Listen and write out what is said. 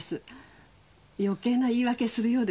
余計な言い訳するようですけど。